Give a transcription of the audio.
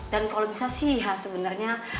dan kalau bisa sih sebenarnya